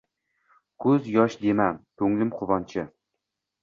Ko’z yosh dema, ko’nglim quvonchi.